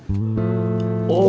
di dapur kamu ya